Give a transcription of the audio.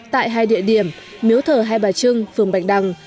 tại hai địa điểm miếu thờ hai bà trưng phường bạch đằng